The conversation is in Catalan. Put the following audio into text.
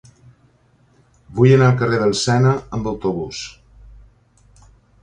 Vull anar al carrer del Sena amb autobús.